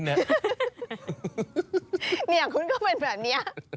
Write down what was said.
อย่างนี้ทุนก็เป็นแบบนี้